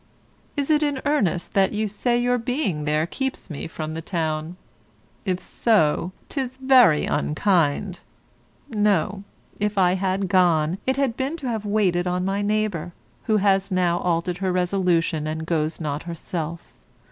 Is it in earnest that you say your being there keeps me from the town? If so, 'tis very unkind. No, if I had gone, it had been to have waited on my neighbour, who has now altered her resolution and goes not herself.